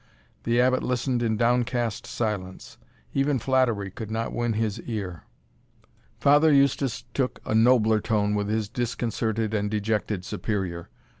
The Abbot listened in downcast silence; even flattery could not win his ear. Father Eustace took a nobler tone with his disconcerted and dejected Superior.